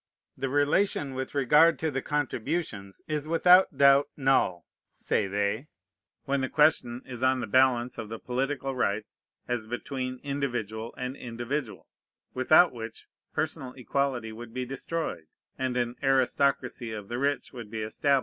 "The relation with regard to the contributions is without doubt null, (say they,) when the question is on the balance of the political rights as between individual and individual; without which personal equality would be destroyed, and an aristocracy of the rich would be established.